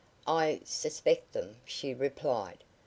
"I suspect them," she replied.